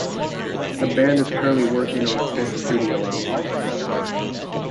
The band is currently working on a fifth studio album.